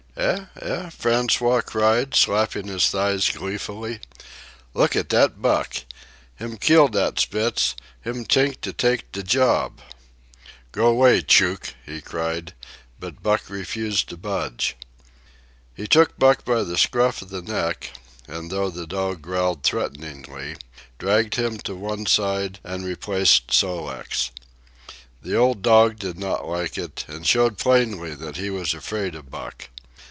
"Eh? eh?" François cried, slapping his thighs gleefully. "Look at dat Buck. Heem keel dat Spitz, heem t'ink to take de job." "Go 'way, Chook!" he cried, but Buck refused to budge. He took Buck by the scruff of the neck, and though the dog growled threateningly, dragged him to one side and replaced Sol leks. The old dog did not like it, and showed plainly that he was afraid of Buck.